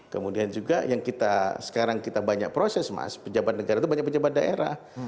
kemudian juga yang kita sekarang kita banyak proses mas pejabat negara itu banyak pejabat daerah